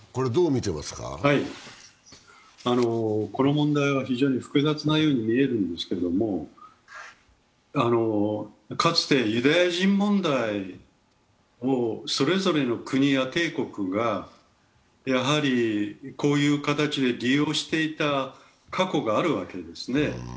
この問題は非常に複雑なように見えるんですけれども、かつてユダヤ人問題をそれぞれの国や帝国がこういう形で利用していた過去があるわけですね。